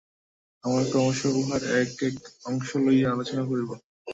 আমরা ক্রমশ উহার এক এক অংশ লইয়া আলোচনা করিব।